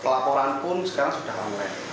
pelaporan pun sekarang sudah ramai